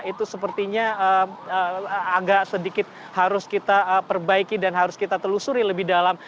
itu sepertinya agak sedikit harus kita perbaiki dan harus kita telusuri lebih dalam